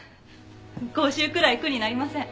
講習くらい苦になりません。